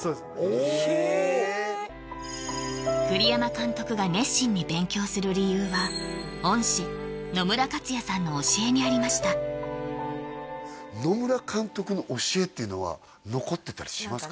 お栗山監督が熱心に勉強する理由は恩師野村克也さんの教えにありました野村監督の教えっていうのは残ってたりしますか？